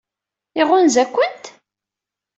Iɣunza-kent?